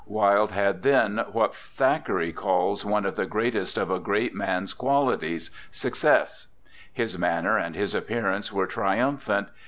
Wilde had then what Thackeray calls 'one of the greatest of a great man's qualities' success. His manner and his appearance were triumphant.